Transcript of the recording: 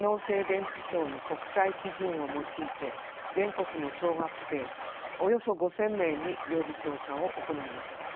便秘症の国際基準を用いて全国の小学生およそ５，０００名にＷｅｂ調査を行いました。